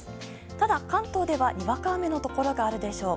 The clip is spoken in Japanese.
ただ、関東ではにわか雨のところがあるでしょう。